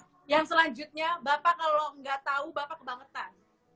oke yang selanjutnya bapak kalo lo gak tau bapak kebangetan